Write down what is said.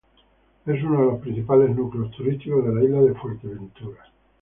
Es uno de los principales núcleos turísticos de la isla de Fuerteventura.